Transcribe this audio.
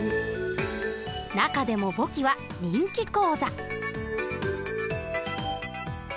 中でも簿記は人気講座。